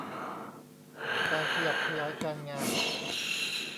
การขยับขยายการงาน